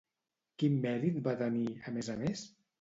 Quin mèrit va tenir, a més a més?